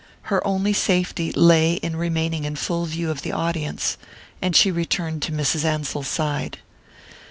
Her only safety lay in remaining in full view of the audience; and she returned to Mrs. Ansell's side.